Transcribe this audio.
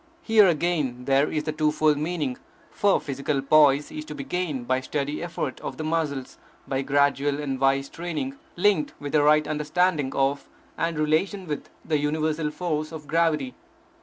Here again, there is the two fold meaning, for physical poise is to be gained by steady effort of the muscles, by gradual and wise training, linked with a right understanding of, and relation with, the universal force of gravity.